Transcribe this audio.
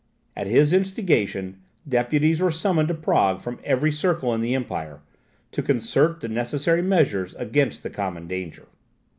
At his instigation deputies were summoned to Prague from every circle in the empire, to concert the necessary measures against the common danger.